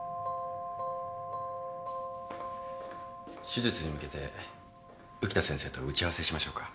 手術に向けて浮田先生と打ち合わせしましょうか。